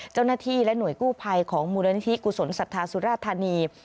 เจ้าหน้าที่และหน่วยกู้ภัยของมูลนิธิกุศลศรัทธาสุราธานี